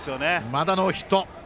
まだノーヒット。